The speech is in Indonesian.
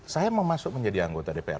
saya mau masuk menjadi anggota dpr